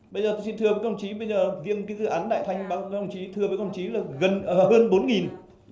bây giờ tôi xin thưa với công chí bây giờ riêng cái dự án đại thanh báo công chí thưa với công chí là hơn bốn